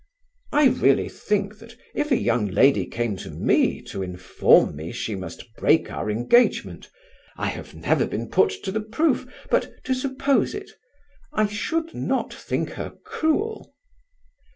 "I really think that if a young lady came to me to inform me she must break our engagement I have never been put to the proof, but to suppose it: I should not think her cruel."